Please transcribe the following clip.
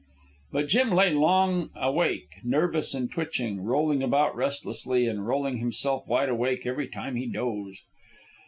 But Jim lay long awake, nervous and twitching, rolling about restlessly and rolling himself wide awake every time he dozed.